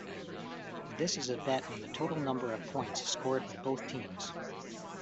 This is a bet on the total number of points scored by both teams.